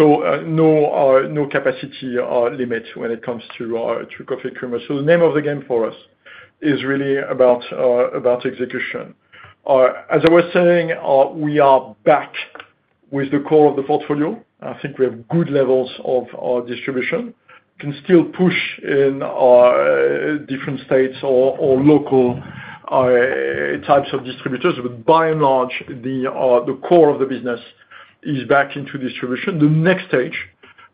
No capacity limit when it comes to coffee creamers. The name of the game for us is really about execution. As I was saying, we are back with the core of the portfolio. I think we have good levels of distribution. We can still push in different states or local types of distributors, but by and large, the core of the business is back into distribution. The next stage,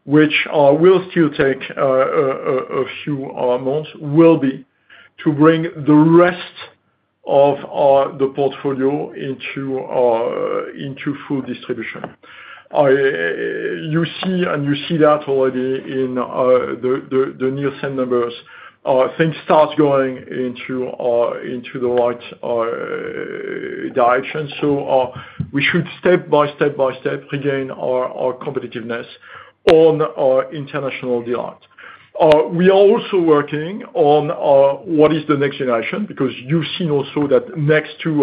which will still take a few months, will be to bring the rest of the portfolio into full distribution. You see that already in the near-send numbers. Things start going into the right direction. We should, step by step by step, regain our competitiveness. On International Delight, we are also working on what is the next generation because you've seen also that next to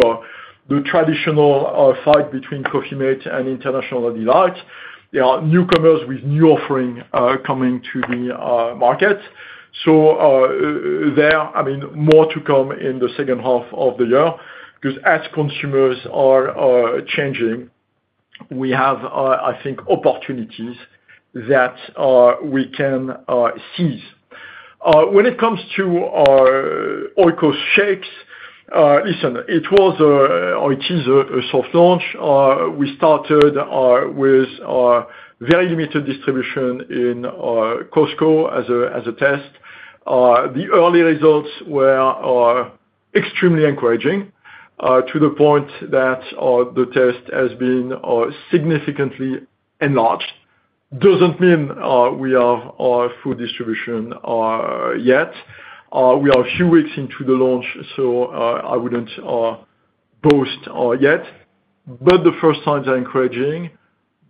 the traditional fight between Coffee mate and International Delight, there are newcomers with new offerings coming to the market. More to come in the second half of the year because as consumers are changing, we have, I think, opportunities that we can seize. When it comes to Oikos Shakes, listen, it was or it is a soft launch. We started with very limited distribution in Costco as a test. The early results were extremely encouraging to the point that the test has been significantly enlarged. Doesn't mean we are full distribution yet. We are a few weeks into the launch, so I wouldn't boast yet. The first signs are encouraging.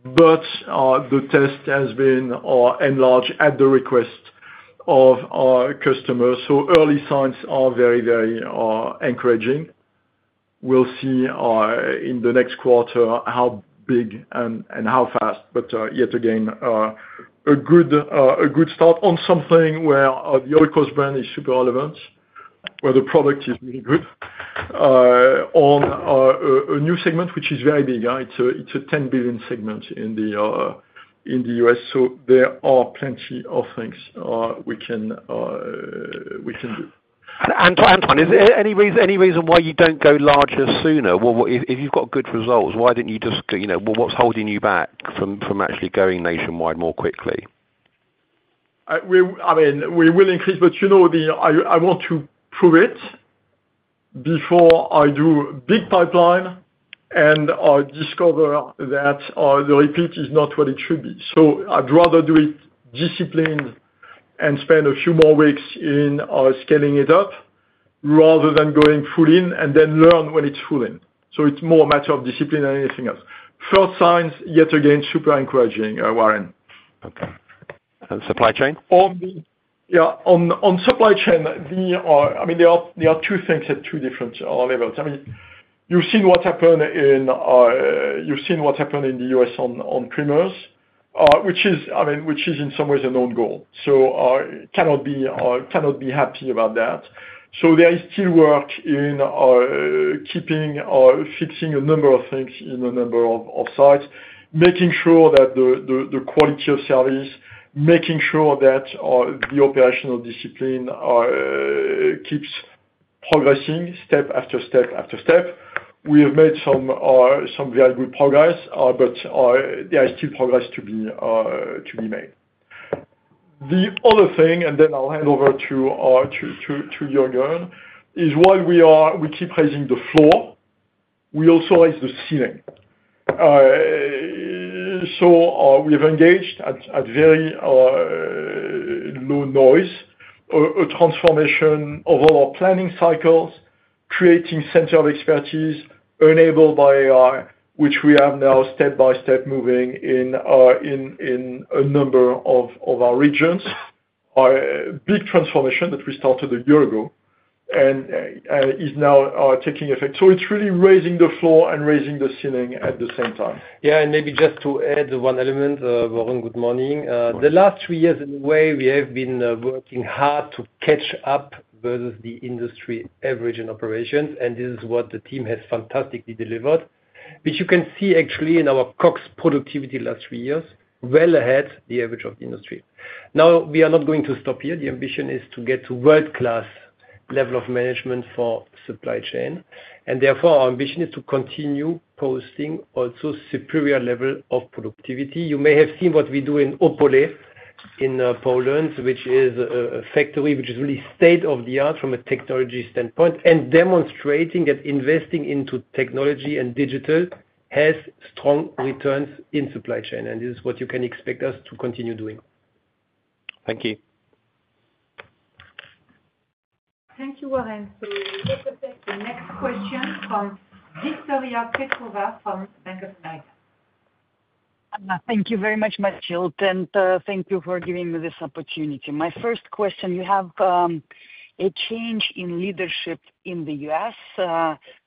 The test has been enlarged at the request of customers. Early signs are very, very encouraging. We'll see in the next quarter how big and how fast, but yet again, a good start on something where the Oikos brand is super relevant, where the product is really good. On a new segment, which is very big. It's a $10 billion segment in the U.S. There are plenty of things we can do. Antoine, is there any reason why you don't go larger sooner? If you've got good results, why didn't you just—what's holding you back from actually going nationwide more quickly? I mean, we will increase, but you know I want to prove it. Before I do a big pipeline and discover that the repeat is not what it should be. I would rather do it disciplined and spend a few more weeks in scaling it up, rather than going full in and then learn when it's full in. It is more a matter of discipline than anything else. First signs, yet again, super encouraging, Warren. Okay. Supply chain? Yeah. On supply chain, there are two things at two different levels. I mean, you've seen what happened in—you've seen what happened in the U.S. on creamers, which is, I mean, which is in some ways a known goal. I cannot be happy about that. There is still work in keeping or fixing a number of things in a number of sites, making sure that the quality of service, making sure that the operational discipline keeps progressing step after step after step. We have made some very good progress, but there is still progress to be made. The other thing, and then I'll hand over to Juergen, is while we keep raising the floor, we also raise the ceiling. We have engaged at very low noise a transformation of all our planning cycles, creating center of expertise enabled by AI, which we have now step by step moving in a number of our regions. Big transformation that we started a year ago and is now taking effect. It is really raising the floor and raising the ceiling at the same time. Yeah. Maybe just to add one element, Warren, good morning. The last three years, in a way, we have been working hard to catch up versus the industry average in operations, and this is what the team has fantastically delivered. You can see actually in our COX productivity last three years, well ahead of the average of the industry. Now, we are not going to stop here. The ambition is to get to world-class level of management for supply chain. Therefore, our ambition is to continue posting also superior level of productivity. You may have seen what we do in Opole in Poland, which is a factory which is really state-of-the-art from a technology standpoint and demonstrating that investing into technology and digital has strong returns in supply chain. This is what you can expect us to continue doing. Thank you. Thank you, Warren. We will take the next question from Victoria Petrova from Bank of America. Thank you very much, Mathilde, and thank you for giving me this opportunity. My first question, you have a change in leadership in the U.S.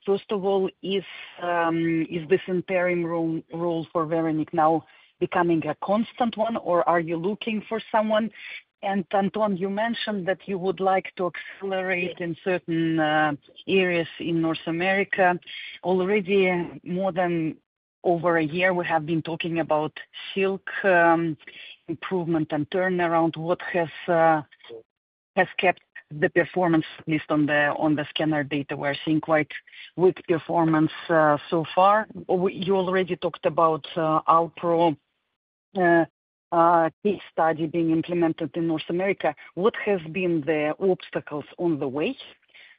First of all, is this imperative role for Véronique now becoming a constant one, or are you looking for someone? And Antoine, you mentioned that you would like to accelerate in certain areas in North America. Already, more than over a year, we have been talking about Silk improvement and turnaround. What has kept the performance, at least on the scanner data, we are seeing quite weak performance so far. You already talked about Alpro case study being implemented in North America. What have been the obstacles on the way?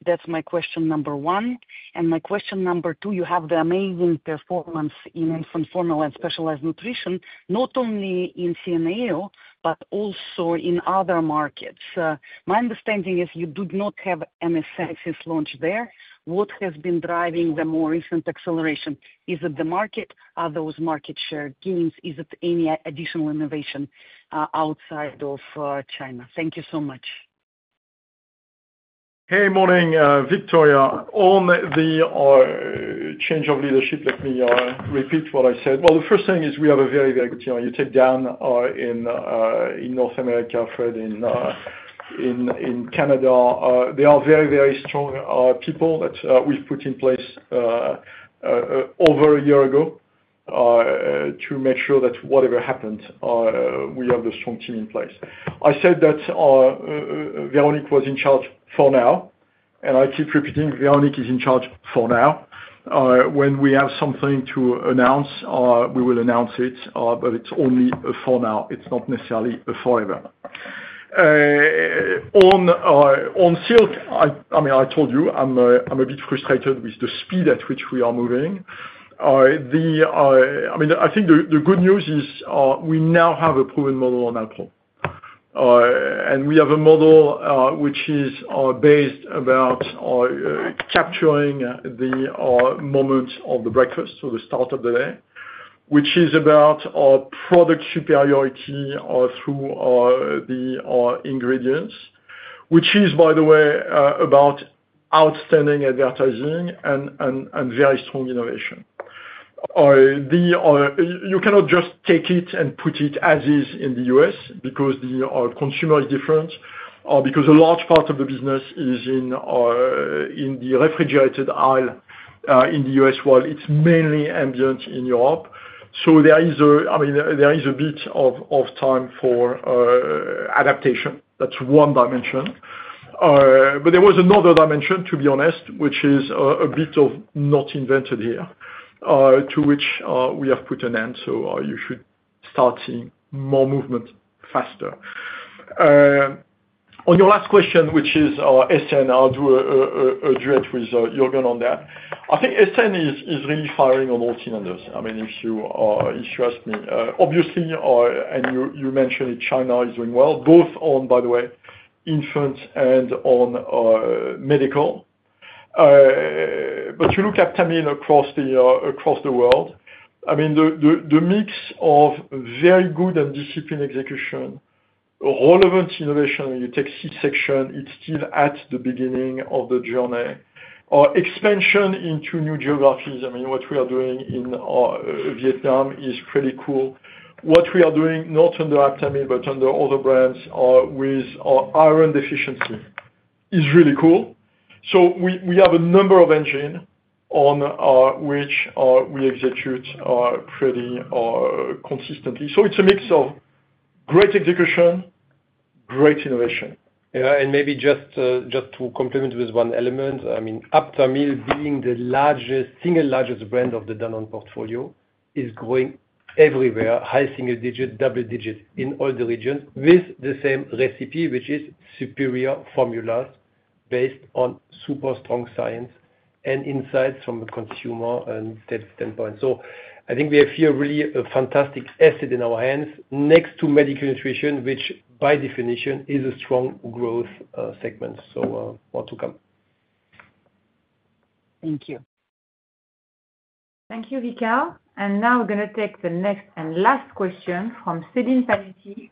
That is my question number one. And my question number two, you have the amazing performance in infant formula and Specialized Nutrition, not only in CNAO but also in other markets. My understanding is you did not have any success launch there. What has been driving the more recent acceleration? Is it the market? Are those market share gains? Is it any additional innovation outside of China? Thank you so much. Hey, morning, Victoria. On the change of leadership, let me repeat what I said. The first thing is we have a very, very good team. You take Dan in North America, Fred in Canada. They are very, very strong people that we have put in place over a year ago to make sure that whatever happened, we have the strong team in place. I said that Véronique was in charge for now. And I keep repeating, Véronique is in charge for now. When we have something to announce, we will announce it, but it is only for now. It is not necessarily forever. On Silk, I mean, I told you, I am a bit frustrated with the speed at which we are moving. I mean, I think the good news is we now have a proven model on Alpro. And we have a model which is based about capturing the moment of the breakfast, so the start of the day, which is about product superiority through the ingredients, which is, by the way, about outstanding advertising and very strong innovation. You cannot just take it and put it as is in the U.S. because the consumer is different or because a large part of the business is in the refrigerated aisle in the U.S. while it is mainly ambient in Europe. There is a bit of time for adaptation. That is one dimension. There was another dimension, to be honest, which is a bit of not invented here, to which we have put an end. You should start seeing more movement faster. On your last question, which is Essen, I'll do a duet with Jürgen on that. I think Essen is really firing on all three vendors. I mean, if you ask me, obviously, and you mentioned that China is doing well, both on, by the way, infant and on medical. But you look at Aptamil across the world, I mean, the mix of very good and disciplined execution. Relevant innovation, when you take C-section, it's still at the beginning of the journey. Expansion into new geographies, I mean, what we are doing in Vietnam is pretty cool. What we are doing, not under Aptamil but under other brands with iron deficiency, is really cool. So we have a number of engines on which we execute pretty consistently. So it's a mix of great execution. Great innovation. Yeah. And maybe just to complement with one element, I mean, Aptamil, being the single largest brand of the Danone portfolio, is growing everywhere, high single digit, double digit in all the regions with the same recipe, which is superior formulas based on super strong science and insights from the consumer and state standpoint. So I think we have here really a fantastic asset in our hands next to medical nutrition, which by definition is a strong growth segment. So more to come. Thank you. Thank you, Vika. And now we're going to take the next and last question from Celine Pannuti,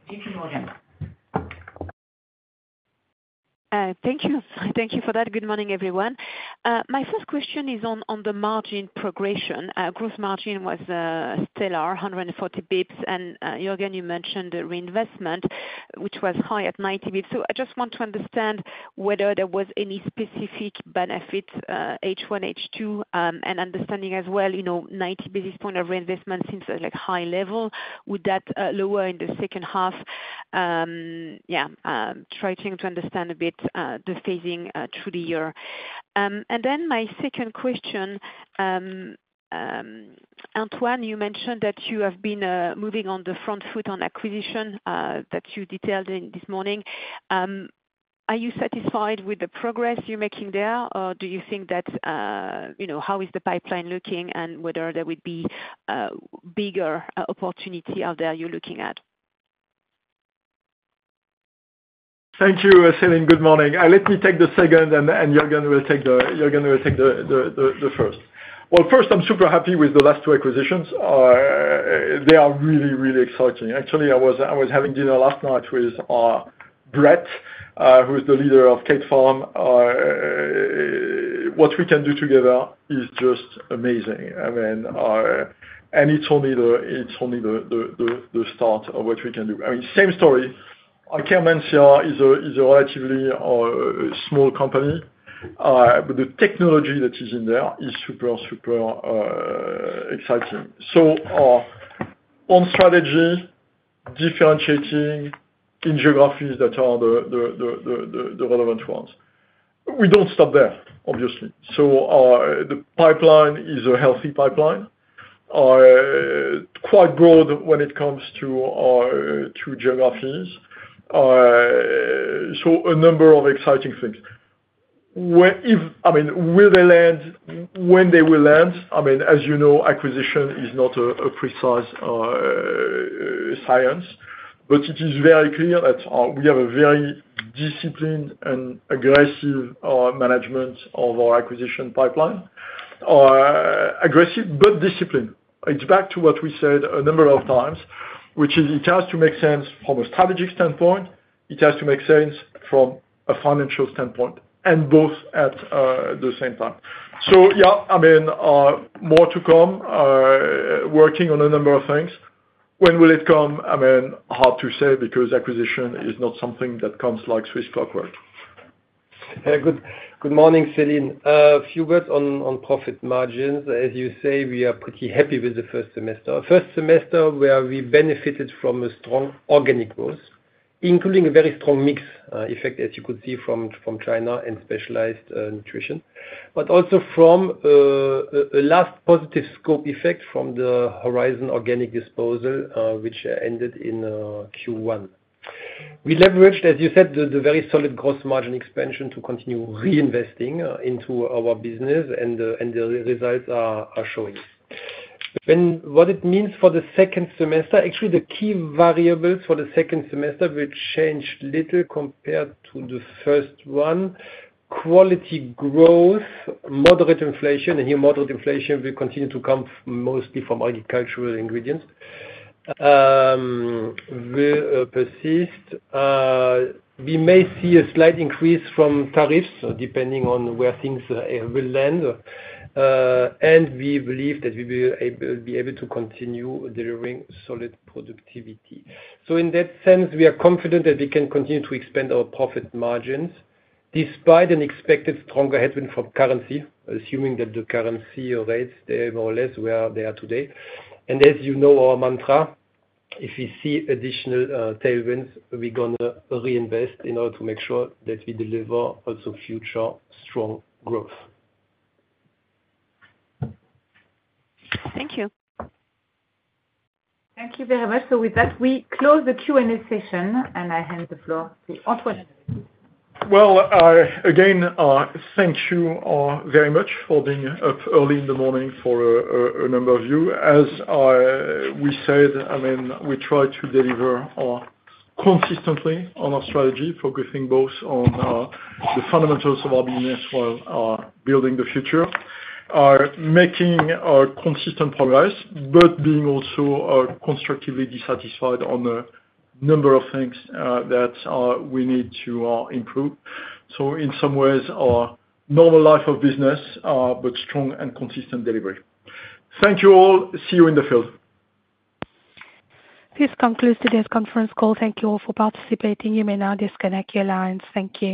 JPMorgan. Thank you. Thank you for that. Good morning, everyone. My first question is on the margin progression. Gross margin was stellar, 140 basis points. And Jürgen, you mentioned reinvestment, which was high at 90 bps. So I just want to understand whether there was any specific benefit, H1, H2, and understanding as well, 90 basis points point of reinvestment since a high level. Would that lower in the second half? Yeah. Trying to understand a bit the phasing through the year. And then my second question. Antoine, you mentioned that you have been moving on the front foot on acquisition that you detailed this morning. Are you satisfied with the progress you're making there, or do you think that. How is the pipeline looking and whether there would be. Bigger opportunity out there you're looking at? Thank you, Celine. Good morning. Let me take the second, and Juergen will take the first. First, I'm super happy with the last two acquisitions. They are really, really exciting. Actually, I was having dinner last night with Brett, who is the leader of Kate Farms. What we can do together is just amazing. And it's only the start of what we can do. I mean, same story. Akkermansia is a relatively small company. But the technology that is in there is super, super exciting. On strategy, differentiating in geographies that are the relevant ones. We do not stop there, obviously. The pipeline is a healthy pipeline, quite broad when it comes to geographies. A number of exciting things. I mean, will they land when they will land? As you know, acquisition is not a precise science, but it is very clear that we have a very disciplined and aggressive management of our acquisition pipeline. Aggressive but disciplined. It is back to what we said a number of times, which is it has to make sense from a strategic standpoint. It has to make sense from a financial standpoint and both at the same time. More to come. Working on a number of things. When will it come? Hard to say because acquisition is not something that comes like Swiss clockwork. Good morning, Celine. A few words on profit margins. As you say, we are pretty happy with the first semester. First semester where we benefited from a strong organic growth, including a very strong mix effect, as you could see from China and Specialized Nutrition, but also from a last positive scope effect from the Horizon Organic disposal, which ended in Q1. We leveraged, as you said, the very solid gross margin expansion to continue reinvesting into our business, and the results are showing. What it means for the second semester, actually, the key variables for the second semester will change little compared to the first one. Quality growth, moderate inflation, and here moderate inflation will continue to come mostly from agricultural ingredients, will persist. We may see a slight increase from tariffs depending on where things will land. We believe that we will be able to continue delivering solid productivity. In that sense, we are confident that we can continue to expand our profit margins despite an expected stronger headwind from currency, assuming that the currency rates stay more or less where they are today. As you know, our mantra, if we see additional tailwinds, we are going to reinvest in order to make sure that we deliver also future strong growth. Thank you. Thank you very much. With that, we close the Q&A session, and I hand the floor to Antoine. Thank you very much for being up early in the morning for a number of you. As. We said, I mean, we try to deliver consistently on our strategy focusing both on the fundamentals of our business while building the future. Making consistent progress, but being also constructively dissatisfied on a number of things that we need to improve. In some ways, our normal life of business, but strong and consistent delivery. Thank you all. See you in the field. This concludes today's conference call. Thank you all for participating. You may now disconnect your lines. Thank you.